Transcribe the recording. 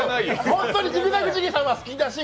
本当にジグザグジギーさんは好きだし。